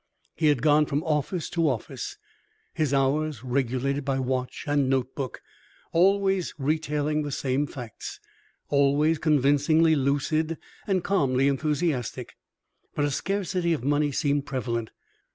He had gone from office to office, his hours regulated by watch and note book, always retailing the same facts, always convincingly lucid and calmly enthusiastic. But a scarcity of money seemed prevalent.